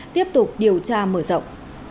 tiếp tục điều tra mở rộng